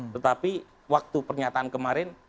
tetapi waktu pernyataan kemarin